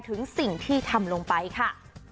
ถึงสิ่งที่ทำลงไปค่ะ